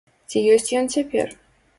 Ці ёсць ён цяпер?